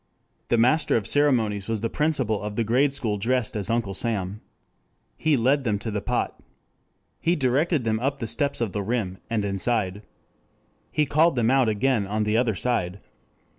The master of ceremonies was the principal of the grade school dressed as Uncle Sam. He led them to the pot. He directed them up the steps to the rim, and inside. He called them out again on the other side.